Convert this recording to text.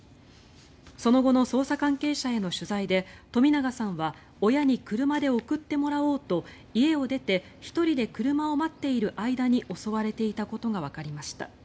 その後の捜査関係者への取材で冨永さんは親に車で送ってもらおうと家を出て１人で車を待っている間に襲われていたことがわかりました。